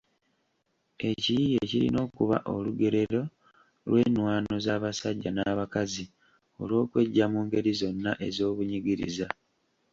Ekiyiiye kirina okuba olugerero lw’ennwaano z’abasajja n’abakazi olw’okweggya mu ngeri zonna ez’obunyigiriza.